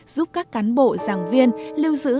giúp các cán bộ giảng viên lưu giữ